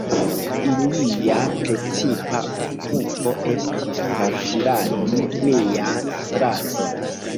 Ilia precipa okupo estis transiradi nian straton.